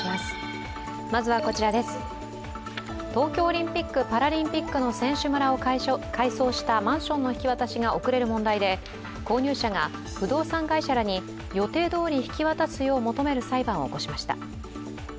東京オリンピック・パラリンピックの選手村を改修したマンションの引き渡しが遅れる問題で、購入者が不動産会社らに予定どおり引き渡すよう求める裁判を起こしました。